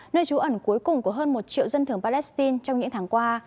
nơi trú ẩn cuối cùng của hơn một triệu dân thường palestine trong những tháng qua